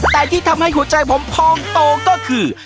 แต่ที่ทำให้หัวใจผมพองโตก็คือ